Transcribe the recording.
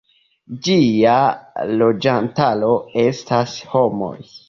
Ĝia loĝantaro estas homoj.